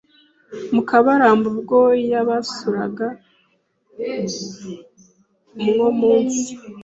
Mukabaramba ubwo yabasuraga umwo munsi.